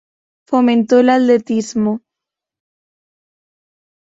Fomentó el atletismo.